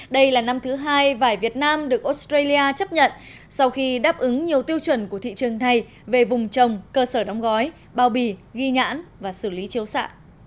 đây là năm thứ hai vải việt nam được australia chấp nhận sau khi đáp ứng nhiều tiêu chuẩn của thị trường này về vùng trồng cơ sở đóng gói bao bì ghi nhãn và xử lý chiếu xạ